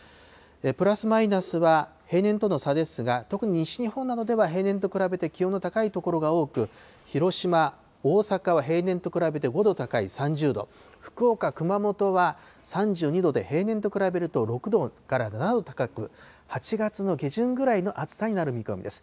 プラスマイナスは平年との差ですが、特に西日本などでは、平年と比べて気温の高い所が多く、広島、大阪は平年と比べて５度高い３０度、福岡、熊本は３２度で、平年と比べると６度から７度高く、８月の下旬ぐらいの暑さになる見込みです。